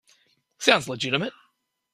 Sounds legitimate.